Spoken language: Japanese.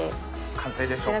完成でしょうか？